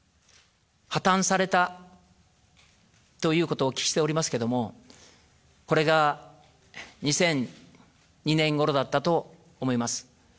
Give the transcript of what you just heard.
破綻されたということをお聞きしておりますけれども、これが２００２年ごろだったと思います。